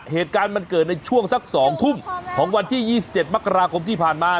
เหตุการณ์มันเกิดในช่วงสัก๒ทุ่มของวันที่๒๗มกราคมที่ผ่านมา